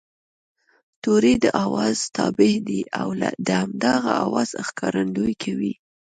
توری د آواز تابع دی او د هماغه آواز ښکارندويي کوي